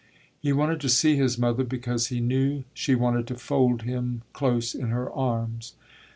He wanted to see his mother because he knew she wanted to fold him close in her arms.